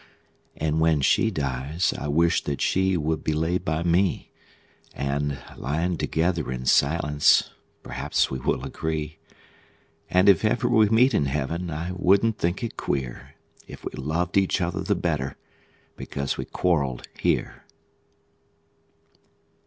And when she dies I wish that she would be laid by me, And, lyin' together in silence, perhaps we will agree; And, if ever we meet in heaven, I wouldn't think it queer If we loved each other the better because we quarreled here.